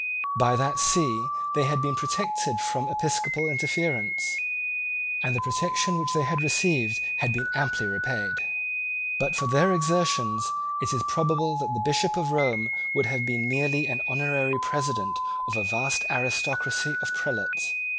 By that See they had been protected from episcopal interference; and the protection which they had received had been amply repaid. But for their exertions it is probable that the Bishop of Rome would have been merely the honorary president of a vast aristocracy of prelates.